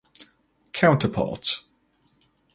Counterparts.